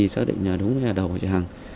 xác định là đúng là đầu của chị hằng